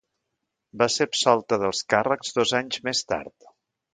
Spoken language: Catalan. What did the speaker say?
Va ser absolta dels càrrecs dos anys més tard.